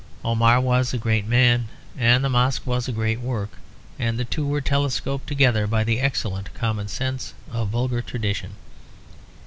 Omar was a great man and the Mosque was a great work, and the two were telescoped together by the excellent common sense of vulgar tradition.